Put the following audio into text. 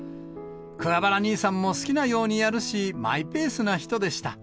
桑原兄さんも好きなようにやるし、マイペースな人でした。